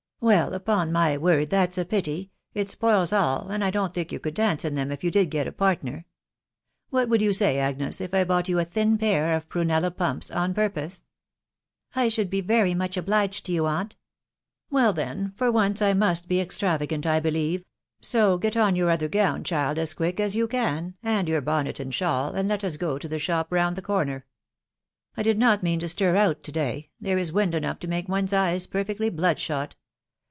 I^b " Well, upon my word, that's a pity .... it apoib all .«1 If and I don't think you could dance in them if job did ptii* partner. .•• What would you say, Agnes, if I bought ystlfeet thin pair of prunella pumps on purpose ?" 1 1\> " I should be very much obliged to you, aunt. 1 %a " Well, then, for once I must be extravagant, I betisn V) so, get on your other gown, child, as quick as yon can, asm v your bonnet and shawl, and let us go to the shop mad 1 the corner. I did not mean to stir out to day .... that si wind enough to make one's eyes perfectly bloodshot.